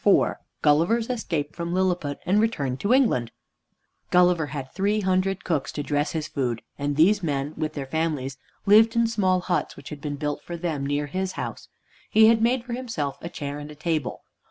V GULLIVER'S ESCAPE FROM LILLIPUT AND RETURN TO ENGLAND Gulliver had three hundred cooks to dress his food and these men, with their families, lived in small huts which had been built for them near his house. He had made for himself a chair and a table.